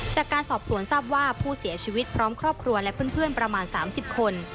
จากการสอบสวนทราบว่าผู้เสียชีวิตพร้อมครอบครัวและเพื่อนประมาณ๓๐คน